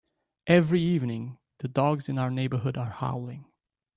Every evening, the dogs in our neighbourhood are howling.